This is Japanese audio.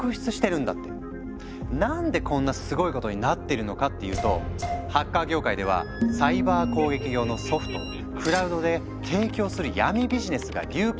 なんでこんなすごいことになってるのかっていうとハッカー業界ではサイバー攻撃用のソフトをクラウドで提供する闇ビジネスが流行してるからなんだとか。